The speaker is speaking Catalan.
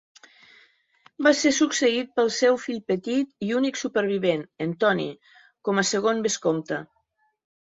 Va ser succeït pel seu fill petit i únic supervivent, en Tony, com a segon vescomte.